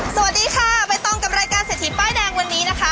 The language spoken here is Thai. สวัสดีค่ะใบตองกับรายการเศรษฐีป้ายแดงวันนี้นะคะ